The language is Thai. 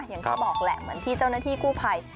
อย่างที่บอกแหละเหมือนที่เจ้าหน้าที่กู้ภัย